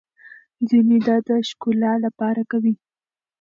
ځينې دا د ښکلا لپاره کوي.